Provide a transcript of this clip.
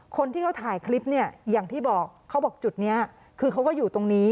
คนที่เขาถ่ายคลิปเนี่ยอย่างที่บอกเขาบอกจุดนี้คือเขาก็อยู่ตรงนี้